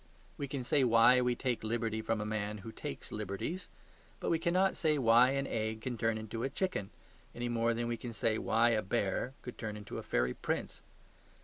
We can say why we take liberty from a man who takes liberties. But we cannot say why an egg can turn into a chicken any more than we can say why a bear could turn into a fairy prince.